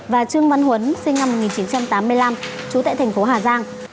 và trương văn huấn sinh năm một nghìn chín trăm tám mươi năm trú tại thành phố hà giang